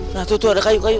nah itu tuh ada kayu kayu